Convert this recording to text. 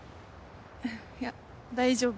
いや大丈夫。